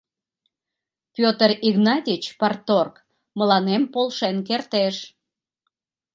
Пётр Игнатич — парторг, мыланем полшен кертеш».